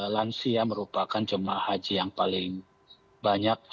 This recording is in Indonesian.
lansia merupakan jamaah haji yang paling banyak